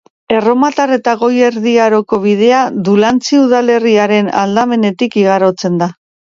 Erromatar eta Goi Erdi Aroko bidea Dulantzi udalerriaren aldamenetik igarotzen da.